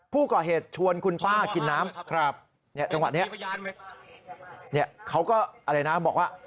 ผู้ก่อเหตุชวนคุณป้ากินน้ำจังหวะนี้เขาก็อะไรนะบอกว่า